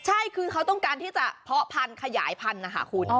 ใช่คือเขาต้องการที่จะเพาะพันธุ์ขยายพันธุ์นะคะคุณ